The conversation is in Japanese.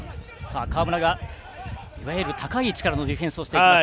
川村がいわゆる高い位置からのディフェンスをします。